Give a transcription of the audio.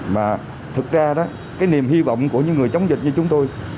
và thật ra đó cái niềm hy vọng của những người chống dịch như chúng tôi